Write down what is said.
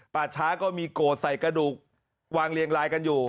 ป่าช้าก็มีโกรธใส่กระดูกวางเรียงลายกันอยู่